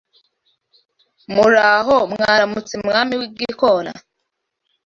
muraho Mwaramutse Mwami w'igikona